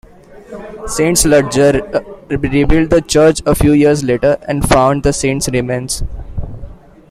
Saint Ludger rebuilt the church a few years later, and found the saint's remains.